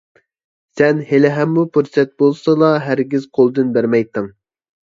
سەن ھېلىھەممۇ پۇرسەت بولسىلا ھەرگىز قولدىن بەرمەيتتىڭ.